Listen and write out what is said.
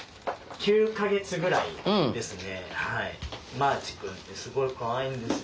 マーチくんってすごいかわいいんですよ。